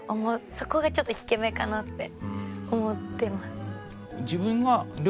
そこがちょっと引け目かなって思ってます。